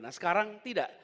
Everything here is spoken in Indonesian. nah sekarang tidak